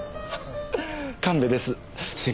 神戸です。